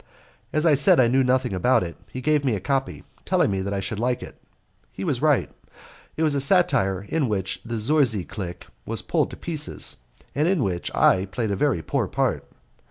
As I said that I knew nothing about it, he gave me a copy, telling me that I should like it. He was right. It was a satire in which the Zorzi clique was pulled to pieces, and in which I played a very poor part.